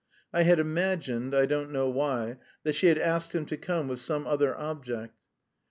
I had imagined, I don't know why, that she had asked him to come with some other object.